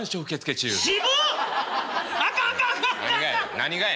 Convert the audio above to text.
何がや？